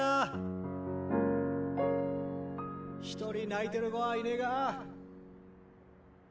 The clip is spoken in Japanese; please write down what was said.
一人泣いてる子はいねが。